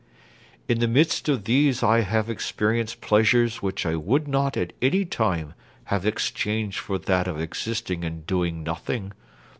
In the midst of these I have experienced pleasures which I would not at any time have exchanged for that of existing and doing nothing.